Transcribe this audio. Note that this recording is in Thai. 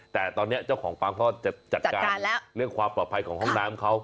แต่ตอนนี้เจ้าของปั๊มเขาจะจัดการเรื่องความปลอดภัยของห้องน้ำเขา